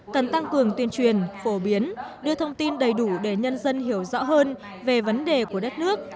cần tăng cường tuyên truyền phổ biến đưa thông tin đầy đủ để nhân dân hiểu rõ hơn về vấn đề của đất nước